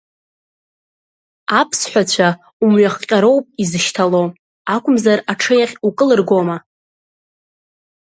Абзҳәацәа умҩахҟьароуп изышьҭало, акәымзар аҽеиахь укылыргома?